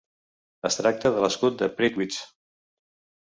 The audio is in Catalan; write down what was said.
Es tracta de l'escut de Prittwitz.